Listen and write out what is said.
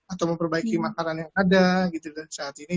atau memperbaiki makanan yang ada gitu saat ini